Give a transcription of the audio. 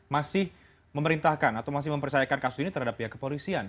masih memerintahkan atau masih mempercayakan kasus ini terhadap pihak kepolisian